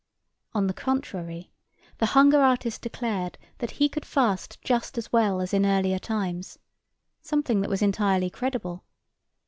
On the contrary, the hunger artist declared that he could fast just as well as in earlier times—something that was entirely credible.